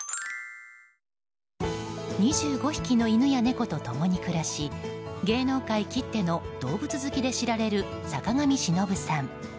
２５匹の犬や猫と共に暮らし芸能界きっての動物好きで知られる坂上忍さん。